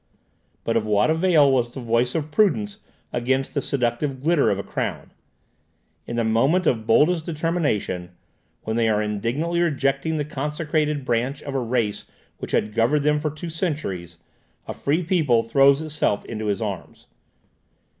But of what avail was the voice of prudence against the seductive glitter of a crown? In the moment of boldest determination, when they are indignantly rejecting the consecrated branch of a race which had governed them for two centuries, a free people throws itself into his arms.